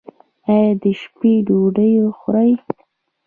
ایا د شپې ډوډۍ خورئ؟